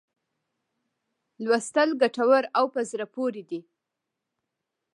لوستل ګټور او په زړه پوري دي.